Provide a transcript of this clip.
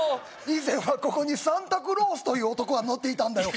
以前はここにサンタクロースという男が乗っていたんだよ